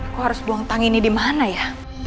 kok harus buang tang ini di mana ya